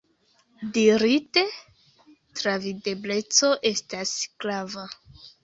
Dirite, travidebleco estas grava.